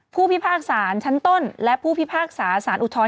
ผู้พิพากษาชั้นต้นและผู้พิพากษาสารอุทธรณ